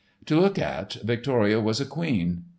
To look at, Victoria was a queen.